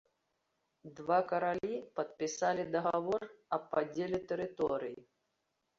Два каралі падпісалі дагавор аб падзеле тэрыторый.